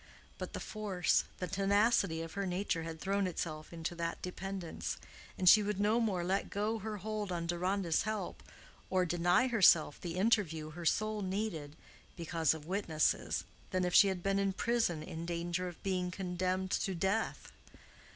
But the force, the tenacity of her nature had thrown itself into that dependence, and she would no more let go her hold on Deronda's help, or deny herself the interview her soul needed, because of witnesses, than if she had been in prison in danger of being condemned to death.